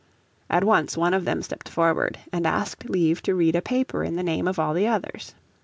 At once one of them stepped forward, and asked leave to read a paper in the name of all the others.